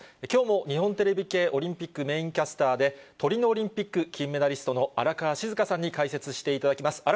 きょうも日本テレビ系オリンピックメインキャスターで、トリノオリンピック金メダリストの荒川静香さんに解説していただきます。